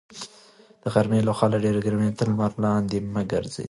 د غرمې لخوا په ډېره ګرمۍ کې تر لمر لاندې مه ګرځئ.